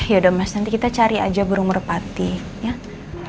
ya udah mas nanti kita cari aja burung merpati